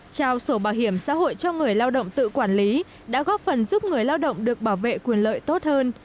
trao sổ bảo hiểm xã hội cho người lao động tự quản lý đã góp phần giúp người lao động được bảo vệ quyền lợi tốt hơn